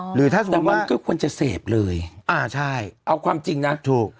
หรือถ้าเสพแต่มันก็ควรจะเสพเลยอ่าใช่เอาความจริงนะถูก